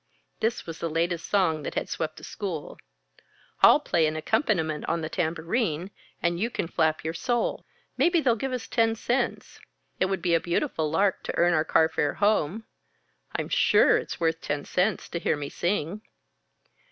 '" (This was the latest song that had swept the school.) "I'll play an accompaniment on the tambourine, and you can flap your sole. Maybe they'll give us ten cents. It would be a beautiful lark to earn our car fare home I'm sure it's worth ten cents to hear me sing."